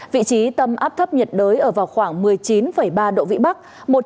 vị trí tâm áp thấp nhiệt đới ở vào khoảng một mươi chín ba độ vĩ bắc